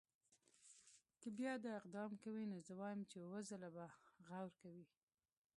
که بیا دا اقدام کوي نو زه وایم چې اووه ځله به غور کوي.